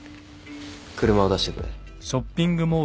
車を出してくれ。